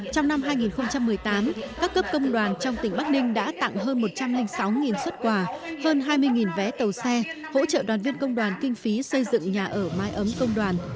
trong năm hai nghìn một mươi tám các cấp công đoàn trong tỉnh bắc ninh đã tặng hơn một trăm linh sáu xuất quà hơn hai mươi vé tàu xe hỗ trợ đoàn viên công đoàn kinh phí xây dựng nhà ở mái ấm công đoàn